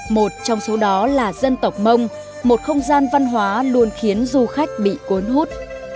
một trong số đó là dân tộc mông một không gian văn hóa luôn khiến du khách bị cuốn hút